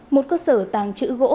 một cơ sở tàng trữ gỗ